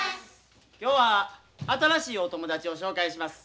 今日は新しいお友達を紹介します。